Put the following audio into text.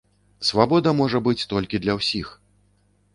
Свабода можа быць толькі для ўсіх.